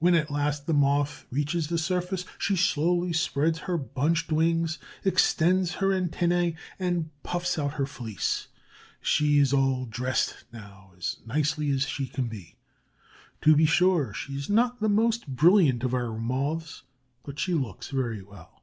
When at last the Moth reaches the surface, she slowly spreads her bunched wings, extends her antennæ, and puffs out her fleece. She is all dressed now, as nicely as she can be. To be sure, she is not the most brilliant of our Moths, but she looks very well.